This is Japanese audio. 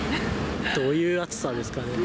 どういう暑さですかね？